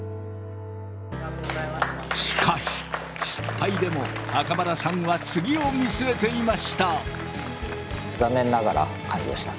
しかし失敗でも袴田さんは次を見据えていました。